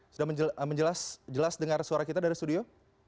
sudah menjelas dengar suara kita dari studio